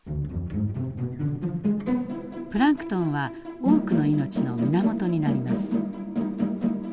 プランクトンは多くの命の源になります。